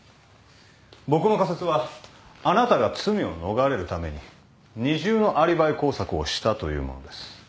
僕の仮説はあなたが罪を逃れるために二重のアリバイ工作をしたというものです。